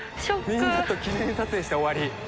みんなと記念撮影して終わり。